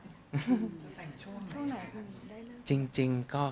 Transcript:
แต่งช่วงไหนครับ